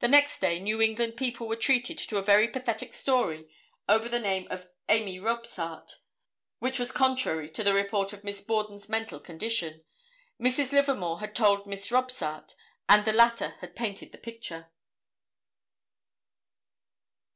The next day New England people were treated to a very pathetic story over the name of Amy Robsart, which was contrary to the report of Miss Borden's mental condition. Mrs. Livermore had told Miss Robsart and the latter had painted the picture.